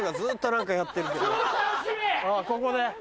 あここで。